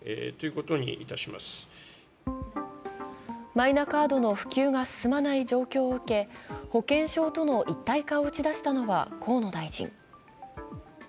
マイナカードの普及が進まない状況を受け保険証との一体化を打ち出したのは河野大臣。